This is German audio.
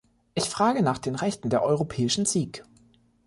Ich frage nach den Rechten der europäischen Sikh.